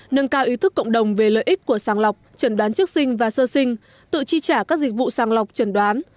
nâng cao ý thức cộng đồng về lợi ích của sàng lọc trần đoán trước sinh và sơ sinh tự chi trả các dịch vụ sàng lọc trần đoán